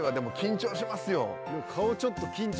顔ちょっと緊張。